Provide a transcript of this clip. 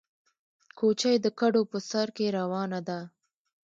کوچۍ د کډو په سر کې روانه ده